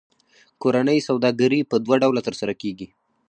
کورنۍ سوداګري په دوه ډوله ترسره کېږي